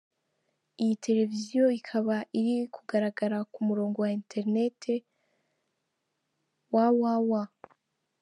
Iyi televiziyo ikaba iri kugaragara ku murongo wa interineti www.